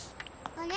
あれ？